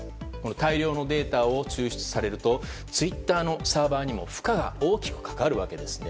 大量のデータを抽出されるとツイッターのサーバーにも負荷が大きくかかるわけですね。